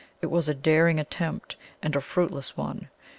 It was a daring attempt, and a fruitless one.